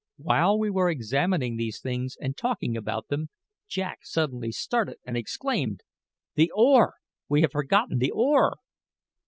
While we were examining these things and talking about them, Jack suddenly started and exclaimed: "The oar! We have forgotten the oar!"